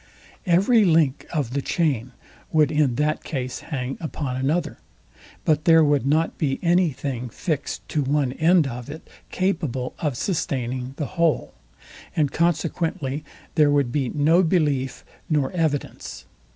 Every link of the chain would in that case hang upon another; but there would not be any thing fixed to one end of it, capable of sustaining the whole; and consequently there would be no belief nor evidence.